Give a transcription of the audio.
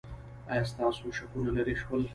ایا ستاسو شکونه لرې شول؟